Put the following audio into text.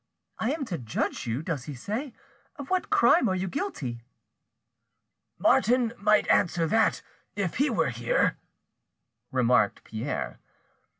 I am to judge you, does he say? Of what crime are you guilty?" "Martin might answer that, if he were here," remarked Pierre.